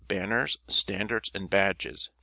Banners, Standards and Badges, p.